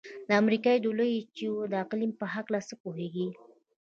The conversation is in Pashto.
د امریکا د لویې وچې د اقلیم په هلکه څه پوهیږئ؟